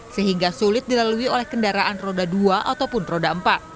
sehingga sulit dilalui oleh kendaraan roda dua ataupun roda empat